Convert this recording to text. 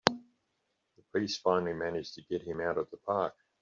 The police finally manage to get him out of the park!